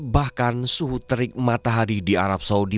bahkan suhu terik matahari di arab saudi